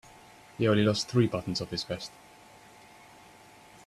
He only lost three buttons off his vest.